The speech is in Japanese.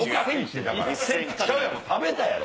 食べたやろ？